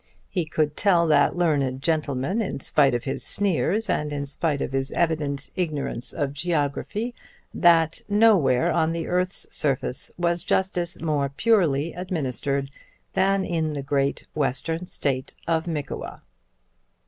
He could tell that learned gentleman in spite of his sneers, and in spite of his evident ignorance of geography, that nowhere on the earth's surface was justice more purely administered than in the great Western State of Mickewa.